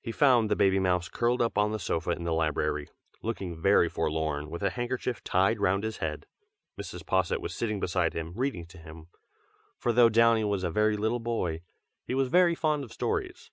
He found the baby mouse curled up on the sofa in the library, looking very forlorn, with a handkerchief tied round his head. Mrs. Posset was sitting beside him, reading to him, for though Downy was a very little boy, he was very fond of stories.